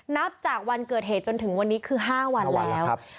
นับจากวันเกิดเหตุจนถึงวันนี้คือ๕วันแล้ว